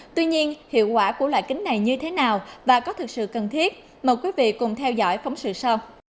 tuy nhiên hiệu quả của loại kính này như thế nào và có thực sự cần thiết mời quý vị cùng theo dõi phóng sự sau